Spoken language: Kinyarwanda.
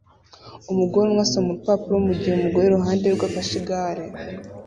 Umugore umwe asoma urupapuro mugihe umugore iruhande rwe afashe igare